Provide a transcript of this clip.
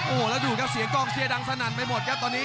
โอ้โหแล้วดูครับเสียงกองเชียร์ดังสนั่นไปหมดครับตอนนี้